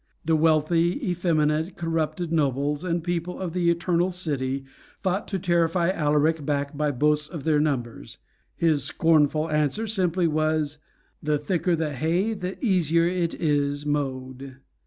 The wealthy, effeminate, corrupted nobles, and people of the Eternal City thought to terrify Alaric back by boasts of their numbers. His scornful answer simply was, "The thicker the hay, the easier it is mowed."